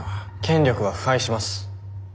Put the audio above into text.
権力は腐敗します。